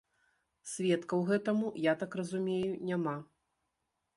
Сведкаў гэтаму, я так разумею, няма.